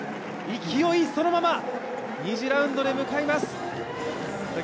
勢いそのまま２次ラウンドに向かいます。